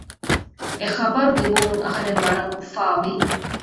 އެ ޚަބަރު ލިބުމުން އަހަރެން ވަރަށް އުފާވި